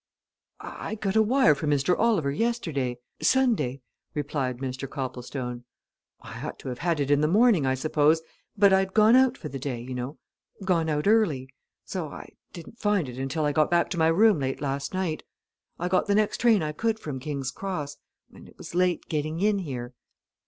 "I got a wire from Mr. Oliver yesterday Sunday," replied Mr. Copplestone. "I ought to have had it in the morning, I suppose, but I'd gone out for the day, you know gone out early. So I didn't find it until I got back to my rooms late at night. I got the next train I could from King's Cross, and it was late getting in here."